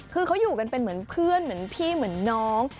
คือเขาอยู่กันเป็นเหมือนเพื่อนเหมือนพี่เหมือนน้อง